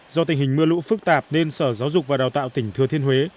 do tình hình mưa lũ phức tạp nên sở giáo dục và đào tạo tỉnh thừa thiên huế